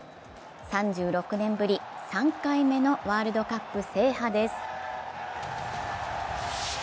３６年ぶり３回目のワールドカップ制覇です。